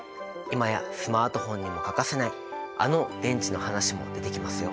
今やスマートフォンにも欠かせないあの電池の話も出てきますよ！